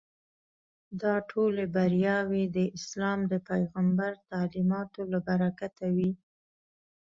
دا ټولې بریاوې د اسلام د پیغمبر تعلیماتو له برکته وې.